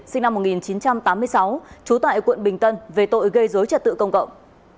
sinh năm một nghìn chín trăm tám mươi sáu trú tại quận bình tân về tội gây dối trật tự công cộng